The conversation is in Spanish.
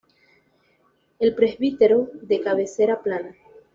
El presbiterio de cabecera plana.